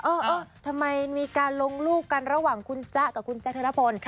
เออทำไมมีการลงรูปกันระหว่างคุณจ๊ะกับคุณแจ๊คเทอร์นภน